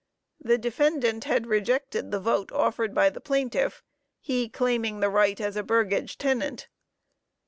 The defendant had rejected the vote offered by the plaintiff, he claiming the right as a burgage tenant.